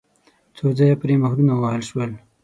څو ځایه پرې مهرونه ووهل شول.